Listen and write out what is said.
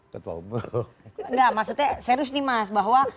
enggak maksudnya serius nih mas bahwa